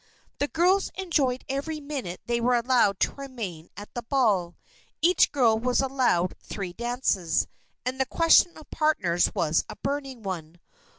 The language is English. The girls enjoyed every minute they were allowed to remain at the ball. Each girl was allowed three dances, and the question of partners was a burning one.